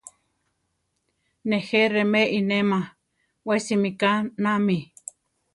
Nejé remé inéma, we simíka naámi.